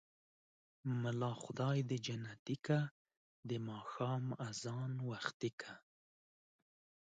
ملا خداى دى جنتې که ـ د ماښام ازان وختې که.